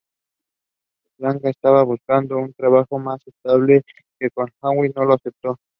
Flanagan estaba buscando un trabajo más estable que con Hawkins, por lo que aceptó.